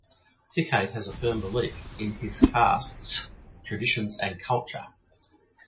Tikait had a firm belief in his caste's traditions and culture.